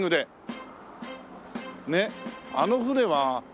ねっあの船は。